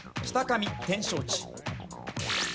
北上展勝地。